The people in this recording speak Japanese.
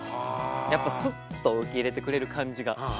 やっぱスッと受け入れてくれる感じが。